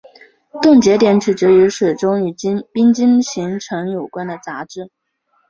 冻结点取决于水中与冰晶形成有关的杂质。